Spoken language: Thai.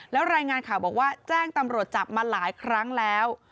แล้วรายงานข่าวบอกว่าแจ้งตำรวจจับมาหลายครั้งแล้ว